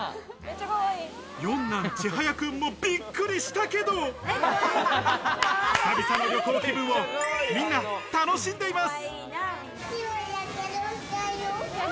四男・知隼君もびっくりしたけど久々の旅行気分をみんな楽しんでいます。